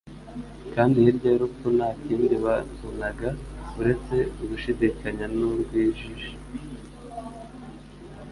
kandi hirya y'urupfu nta kindi babonaga uretse ugushidikanya n'urwijiji.